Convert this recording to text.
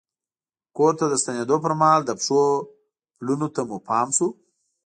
کور ته د ستنېدو پر مهال د پښو پلونو ته مو پام شو.